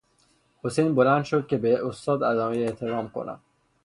حسین بلند شد که به استاد ادای احترام کند.